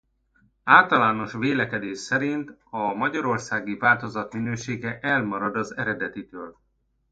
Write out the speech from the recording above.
Általános vélekedés szerint a magyarországi változat minősége elmarad az eredetitől.